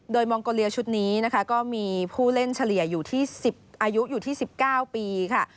โดยมองโกเลียชุดนี้นะคะก็มีผู้เล่นเฉลี่ยอยู่ที่๑๐อายุอยู่ที่๑๙ปีค่ะ